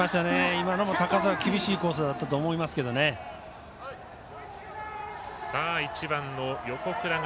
今のも高さは厳しいコースだったと思いますが。